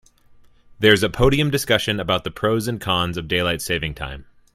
There's a podium discussion about the pros and cons of daylight saving time.